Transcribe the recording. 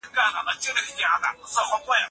ولسي جرګه د بېلابېلو ستونزو د حل هڅه کوي.